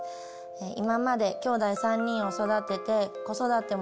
今まできょうだい３人を育てて子育ても